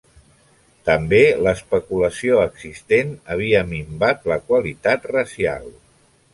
També l'especulació existent havia minvat la qualitat racial.